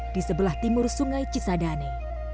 di sebelah timur sungai cisadane